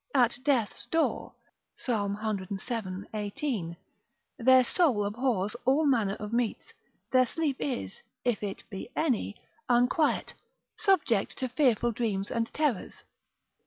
at death's door, Psalm cvii. 18. Their soul abhors all manner of meats. Their sleep is (if it be any) unquiet, subject to fearful dreams and terrors.